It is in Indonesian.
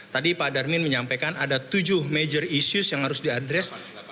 tadi pak darmin menyampaikan ada tujuh major issues yang harus diadres